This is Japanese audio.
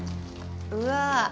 うわ！